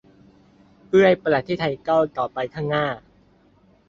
เพื่อให้ประเทศไทยก้าวต่อไปข้างหน้า